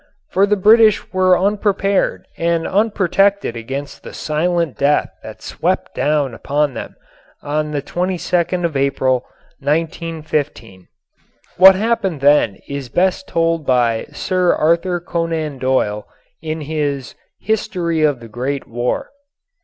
For the British were unprepared and unprotected against the silent death that swept down upon them on the 22nd of April, 1915. What happened then is best told by Sir Arthur Conan Doyle in his "History of the Great War."